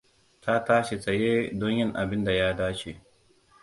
Ta tashi tsaye don yin abin da ya dace.